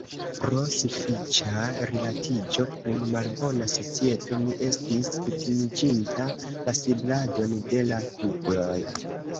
Pro sufiĉa rilatiĝo kun malbona societo, mi estis kutimiĝinta la sibladon de la kugloj.